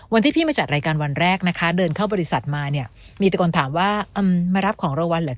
วันที่พี่มาจัดรายการวันแรกนะคะเดินเข้าบริษัทมาเนี่ยมีตะโกนถามว่ามารับของรางวัลเหรอค